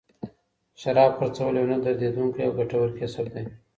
شراب خرڅول یو نه دریدونکی او ګټور کسب دی.